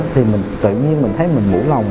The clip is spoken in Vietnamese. thì tự nhiên mình thấy mình ngủ lòng